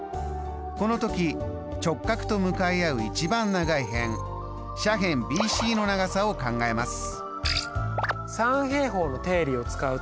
この時直角と向かい合う一番長い辺斜辺ＢＣの長さを考えます。